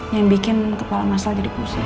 yang bikin kepala mas al jadi pusing